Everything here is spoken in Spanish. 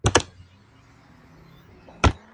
Sabía lo que se hacía.